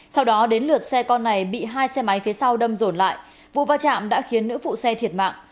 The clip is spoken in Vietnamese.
sau đó đến lượt xe con này bị hai xe máy phía sau đâm rồn lại vụ va chạm đã khiến nữ phụ xe thiệt mạng